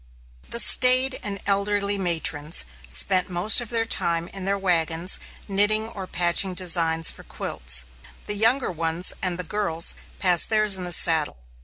The staid and elderly matrons spent most of their time in their wagons, knitting or patching designs for quilts. The younger ones and the girls passed theirs in the saddle.